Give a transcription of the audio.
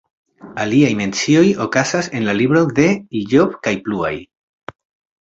Aliaj mencioj okazas en la libro de Ijob kaj pluaj.